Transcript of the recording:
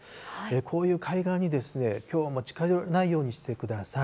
こういう海岸にきょうは近寄らないようにしてください。